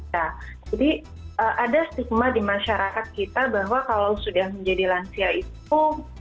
jadi ada stigma di masyarakat kita bahwa kalau sudah menjadi lansia itu